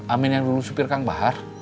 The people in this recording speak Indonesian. amin yang dulu supir kang bahar